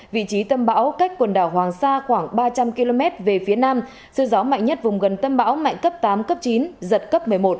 vị trí tâm bão cách quần đảo hoàng sa khoảng ba trăm linh km về phía nam sư gió mạnh nhất vùng gần tâm bão mạnh cấp tám cấp chín giật cấp một mươi một